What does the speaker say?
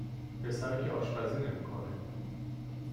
پسر که آشپزی نمیکنه